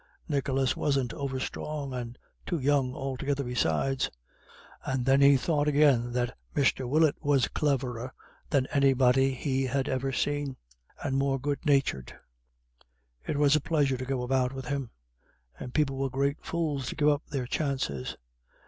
Nicholas wasn't over strong, and too young altogether besides. And then he thought again that Mr. Willett was cleverer than anybody he had ever seen, and more good natured; it was a pleasure to go about with him; and people were great fools to give up their chances.